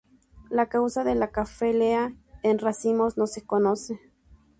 La causa de la cefalea en racimos no se conoce.